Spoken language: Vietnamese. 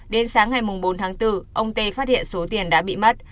đến sáng ngày bốn tháng bốn ông tê phát hiện số tiền đã bị mất